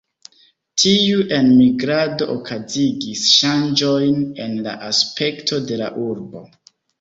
Tiu enmigrado okazigis ŝanĝojn en la aspekto de la urbo.